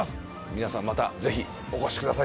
皆さんまたぜひお越しください